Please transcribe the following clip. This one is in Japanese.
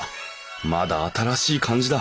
まだ新しい感じだ。